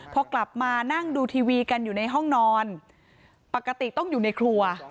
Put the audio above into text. พอกลับมานั่งดูทีวีกันอยู่ในห้องนอนปกติต้องอยู่ในครัว